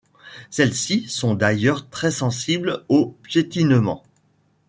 Celles-ci sont d'ailleurs très sensibles au piétinement.